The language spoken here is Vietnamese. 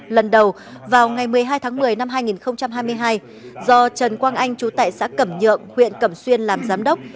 lần đầu vào ngày một mươi hai tháng một mươi năm hai nghìn hai mươi hai do trần quang anh chú tại xã cẩm nhượng huyện cẩm xuyên làm giám đốc